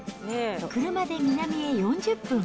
車で南へ４０分。